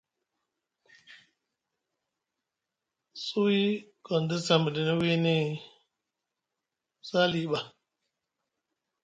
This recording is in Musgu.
Suwi Gondes a miɗini wini Sali ɓa.